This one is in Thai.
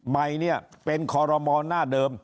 ใหม่เนี่ยเป็นคอรมอลหน้าเดิม